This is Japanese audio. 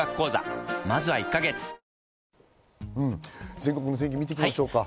全国の天気を見ていきましょう。